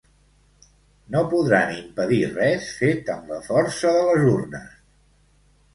No podran impedir res fet amb la força de les urnes.